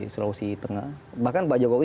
sulawesi tengah bahkan pak jokowi